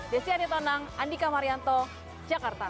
desi anitonang andika marianto jakarta